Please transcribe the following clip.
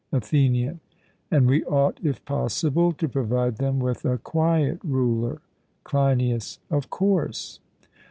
ATHENIAN: And we ought, if possible, to provide them with a quiet ruler? CLEINIAS: Of course.